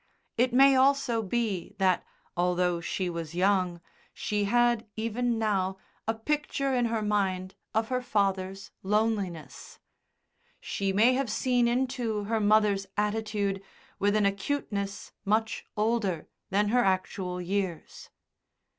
It may also be that, although she was young, she had even now a picture in her mind of her father's loneliness. She may have seen into her mother's attitude with an acuteness much older than her actual years.